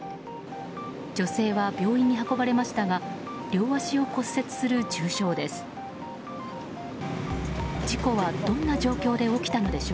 女性は病院に運ばれましたが両足を骨折する重傷です。